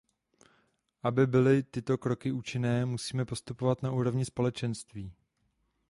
Aby byly tyto kroky účinné, musíme postupovat na úrovni Společenství.